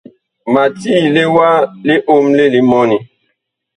Ma tiile wa liomle li mɔni.